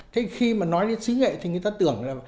thế khi mà nói đến sứ nghệ thì người ta tưởng là